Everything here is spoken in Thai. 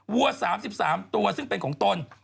วัว๓๓ตัวซึ่งเป็นของตน